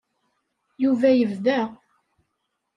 Yuba yebda.